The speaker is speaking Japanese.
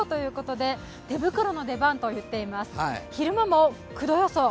昼間も、９度予想。